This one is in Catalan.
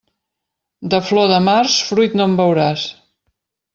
De flor de març, fruit no en veuràs.